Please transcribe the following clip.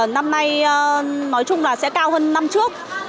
năm nay nói chung là sẽ cao hơn năm trước